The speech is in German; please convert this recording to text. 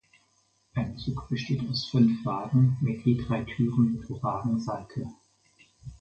Ein Zug besteht aus fünf Wagen mit je drei Türen pro Wagenseite.